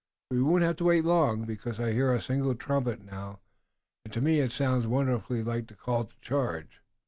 "We won't have to wait long, because I hear a single trumpet now, and to me it sounds wonderfully like the call to charge."